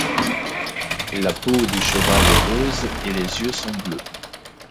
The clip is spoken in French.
La peau du cheval est rose et les yeux sont bleus.